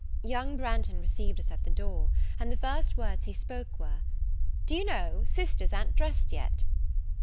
Young Branghton received us at the door; and the first words he spoke were, "Do you know, sisters a'n't dressed yet."